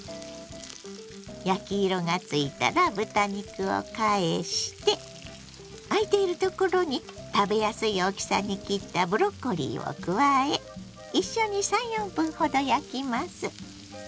焼き色がついたら豚肉を返してあいているところに食べやすい大きさに切ったブロッコリーを加え一緒に３４分ほど焼きます。